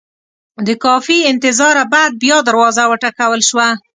د کافي انتظاره بعد بیا دروازه وټکول شوه.